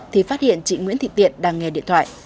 thì phát hiện chị nguyễn thị tiện đang nghe điện thoại